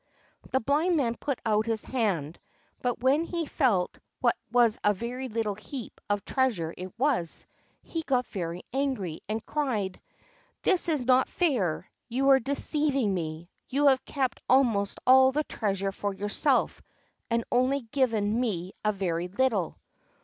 The Blind Man put out his hand, but when he felt what a very little heap of treasure it was, he got very angry, and cried: "This is not fair—you are deceiving me; you have kept almost all the treasure for yourself and only given me a very little."